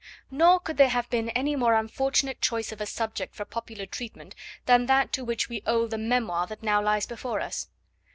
Nor could there have been any more unfortunate choice of a subject for popular treatment than that to which we owe the memoir that now lies before us.